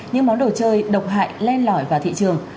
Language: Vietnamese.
những món đồ chơi độc hại len lỏi vào thị trường